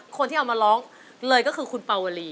คนที่เอามาร้องเลยก็คือคุณปาวลี